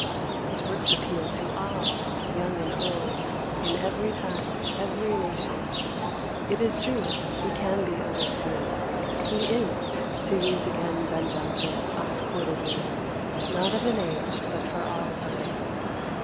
His works appeal to all, young and old, in every time, every nation. It is true; he can be understood. He is, to use again Ben Jonson's oft quoted words, "Not of an age, but for all time."